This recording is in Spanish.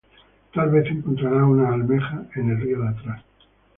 Tal vez encontrarás una almeja en el río de atrás.